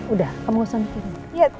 udah kamu nguasanin